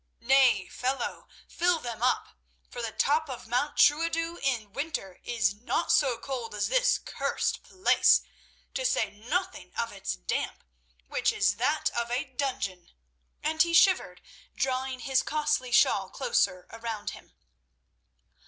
Nay, fellow, fill them up, for the top of Mount Trooidos in winter is not so cold as this cursed place, to say nothing of its damp, which is that of a dungeon," and he shivered, drawing his costly shawl closer round him.